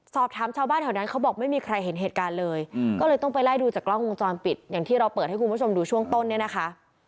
สอบถามชาวบ้านแถวนั้นเขาบอกไม่มีใครเห็นเหตุการณ์เลยก็เลยต้องไปไล่ดูจากกล้องวงจรปิดอย่างที่เราเปิดให้คุณผู้ชมดูช่วงต้นเนี่ยนะคะ